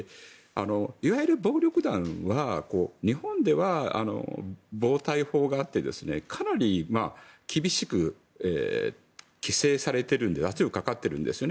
いわゆる暴力団は日本では暴対法があってかなり厳しく規制されているので圧力がかかっているんですよね。